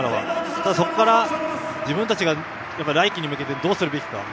ただ、そこから自分たちが来季に向けてどうするべきか。